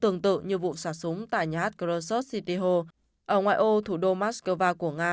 tương tự như vụ sạt súng tại nhà hát grosso city hall ở ngoại ô thủ đô moscow của nga